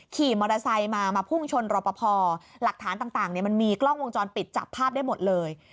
ขี่มอเตอร์ไซค์มามาพุ่งชนรอปภหลักฐานต่างมันมีกล้องวงจรปิดจับภาพได้หมดเลย